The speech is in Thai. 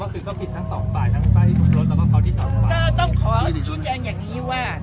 ว่าคือก็กินทั้งสองป่าลทั้งใบรถแล้วเขาเอาที่แจ่งอย่างนี้ว่า